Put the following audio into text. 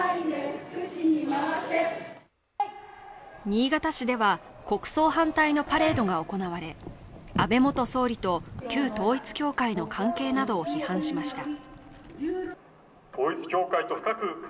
新潟市では、国葬反対のパレードが行われ、安倍元総理と旧統一教会との関係などを批判しました。